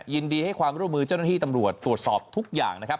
ยินดีให้ความร่วมมือเจ้าหน้าที่ตำรวจตรวจสอบทุกอย่างนะครับ